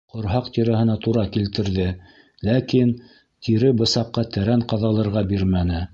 Ҡорһаҡ тирәһенә тура килтерҙе, ләкин тире бысаҡҡа тәрән ҡаҙалырға бирмәне.